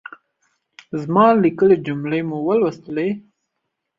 زما ليکلۍ جملې مو ولوستلې؟